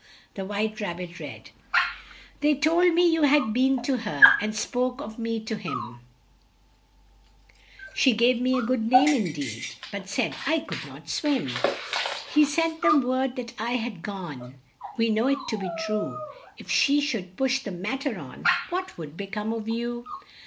The White Rab bit read: "They told me you had been to her, And spoke of me to him: She gave me a good name, in deed, But said I could not swim. "He sent them word that I had gone (We know it to be true): If she should push the mat ter on What would be come of you?